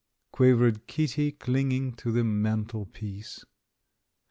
quavered Kitty, clinging to the mantelpiece.